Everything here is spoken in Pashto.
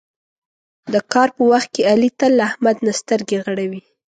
د کار په وخت کې علي تل له احمد نه سترګې غړوي.